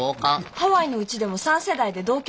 ハワイのうちでも３世代で同居してたんですよ。